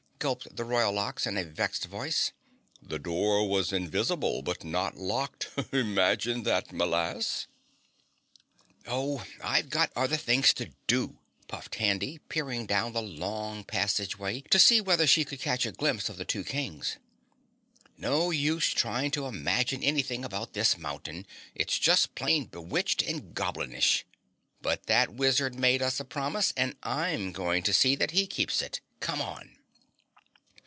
gulped the Royal Ox in a vexed voice. "The door was invisible but not locked. Imagine that, m'lass!" "Oh, I've other things to do," puffed Handy, peering down the long passageway to see whether she could catch a glimpse of the two Kings. "No use trying to imagine anything about this mountain, it's just plain bewitched and goblinish. But that wizard made us a promise and I'm going to see that he keeps it. Come on!"